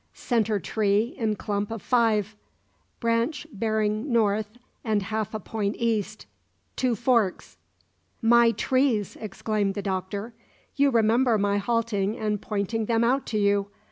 Centre tree in clump of five: branch bearing north and half a point east: two forks '" "My trees!" exclaimed the Doctor. "You remember my halting and pointing them out to you?